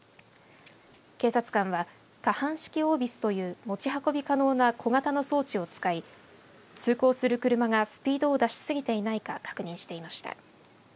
警察官は可搬式オービスという持ち運び可能な小型の装置を使い通行する車がスピードを出しすぎていないか確認していました。